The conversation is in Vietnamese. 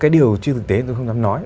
cái điều chưa thực tế tôi không dám nói